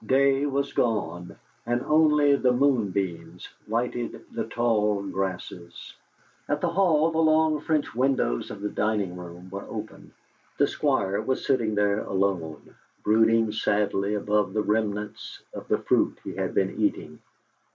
Day was gone, and only the moonbeams lighted the tall grasses. At the Hall the long French windows of the dining room were open; the Squire was sitting there alone, brooding sadly above the remnants of the fruit he had been eating.